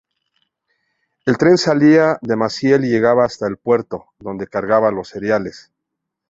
El tren salía de Maciel y llegaba hasta el puerto, donde cargaba los cereales.